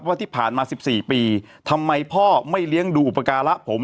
ว่าที่ผ่านมา๑๔ปีทำไมพ่อไม่เลี้ยงดูอุปการะผม